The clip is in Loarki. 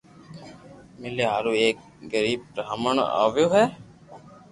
مليا ھارو ايڪ غريب براھمڻ آويو ھي